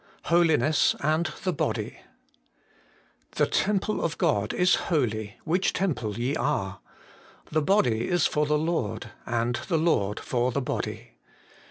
Holiness anti tfje ' The temple of God is holy, which temple ye are. The body is for the Lord, and the Lord for the body.